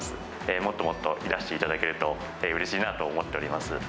もっともっといらしていただけると、うれしいなと思っております。